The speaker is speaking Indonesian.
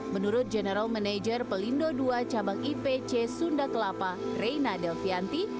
menurut general manager pelindo ii cabang ipc sunda kelapa reina delvianti